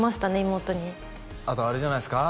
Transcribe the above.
妹にあとあれじゃないっすか？